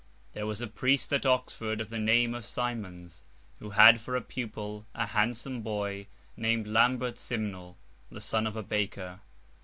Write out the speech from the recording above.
There was a priest at Oxford of the name of Simons, who had for a pupil a handsome boy named Lambert Simnel, the son of a baker.